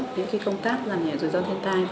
những công tác giảm nhẹ rủi ro thiên tai